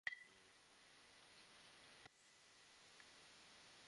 এমন আক্রমণাত্মক পোস্টে তাঁকেও কি অপমান করা হলো না?